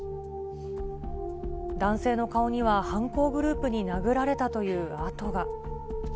男性の顔には、犯行グループに殴られたという痕が。